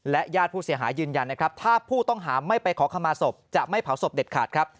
และญาติผู้เสียหายืนยันถ้าผู้ต้องหาไม่ไปขอขมาศพจะไม่เผาศพเด็ดขาด